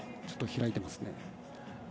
ちょっと開いてます。